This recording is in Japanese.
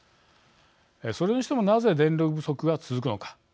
それにしてもなぜ電力不足が続くのか。